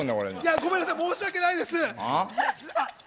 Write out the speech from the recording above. ごめんなさい、申し訳ないです。